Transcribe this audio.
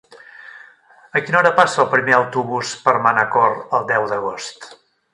A quina hora passa el primer autobús per Manacor el deu d'agost?